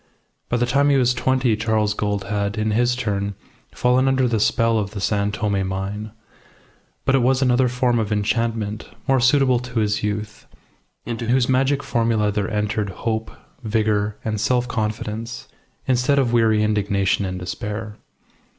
By the time he was twenty Charles Gould had, in his turn, fallen under the spell of the San Tome mine. But it was another form of enchantment, more suitable to his youth, into whose magic formula there entered hope, vigour, and self confidence, instead of weary indignation and despair.